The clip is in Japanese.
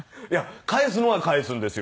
返すのは返すんですよ。